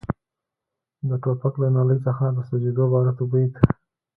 د ټوپک له نلۍ څخه د سوځېدلو باروتو بوی ته.